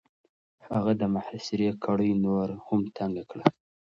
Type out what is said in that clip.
هغه د محاصرې کړۍ نوره هم تنګ کړه.